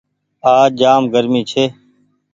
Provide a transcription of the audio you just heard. آج جآم گرمي ڇي۔